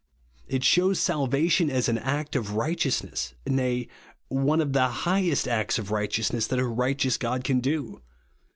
It shews salvation as an act of righteous ness ; nay, one of the highest acts of right eousness that a righteous God can do.